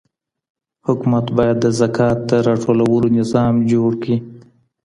حکومت باید د زکات د راټولولو نظام جوړ کړي.